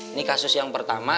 ini kasus yang pertama